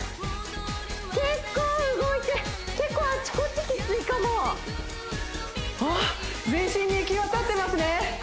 結構動いて結構あちこちきついかも全身に行き渡ってますね